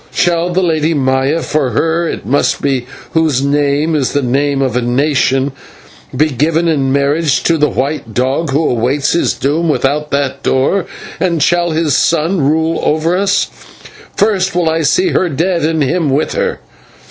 Shall the Lady Maya for her it must be whose name is the name of a nation be given in marriage to the white dog who awaits his doom without that door, and shall his son rule over us? First I will see her dead and him with her!"